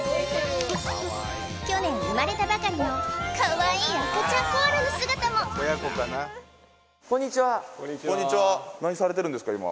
去年生まれたばかりのかわいい赤ちゃんコアラの姿もこんにちは何されてるんですか今？